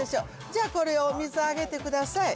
じゃあこれを水上げてください